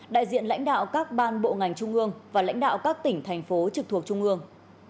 đại diện lãnh đạo các ban bộ ngành trung ương và lãnh đạo các tỉnh thành phố trực thuộc trung ương